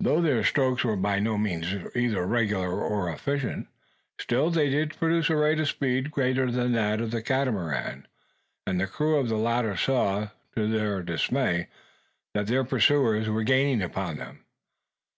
Though their strokes were by no means either regular or efficient, still did they produce a rate of speed greater than that of the Catamaran; and the crew of the latter saw, to their dismay, that their pursuers were gaining upon them.